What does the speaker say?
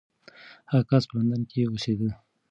هغه کس په لندن کې اوسېده.